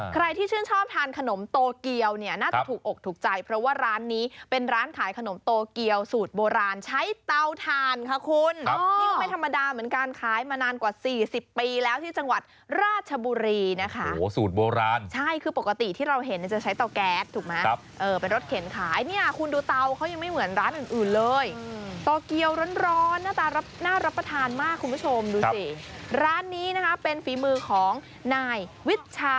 ใครที่ชื่นชอบทานขนมโตเกียวเนี้ยน่าจะถูกอกถูกใจเพราะว่าร้านนี้เป็นร้านขายขนมโตเกียวสูตรโบราณใช้เตาทานค่ะคุณครับนี่มันไม่ธรรมดาเหมือนการขายมานานกว่าสี่สิบปีแล้วที่จังหวัดราชบุรีนะคะโหสูตรโบราณใช่คือปกติที่เราเห็นเนี้ยจะใช้เตาแก๊สถูกไหมครับเออเป็นรถเข็นขายเนี้ย